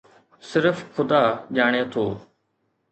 صرف خدا ڄاڻي ٿو.